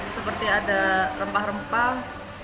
seperti ada rempah rempah